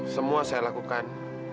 semua saya lakukan